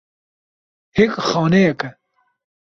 Hêk xaneyek e.